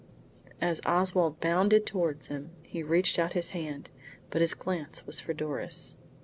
As Oswald bounded towards him, he reached out his hand, but his glance was for Doris.